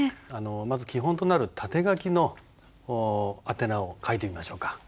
まず基本となる縦書きの宛名を書いてみましょうか。